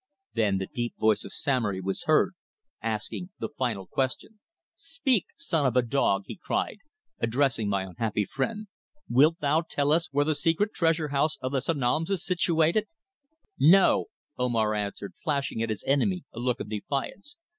Then, the deep voice of Samory was heard, asking the final question: "Speak, son of a dog," he cried, addressing my unhappy friend. "Wilt thou tell us where the secret Treasure house of the Sanoms is situated?" "No," Omar answered, flashing at his enemy a look of defiance.